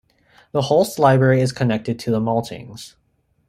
The Holst Library is connected to the Maltings.